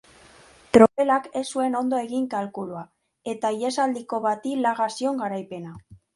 Tropelak ez zuen ondo egin kalkulua eta ihesaldiko bati laga zion garaipena.